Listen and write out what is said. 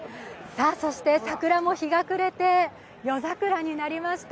そして桜も日が暮れて夜桜になりました。